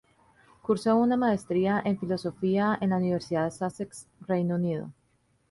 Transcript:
Cursó una Maestría en Filosofía en la University of Sussex, Reino Unido.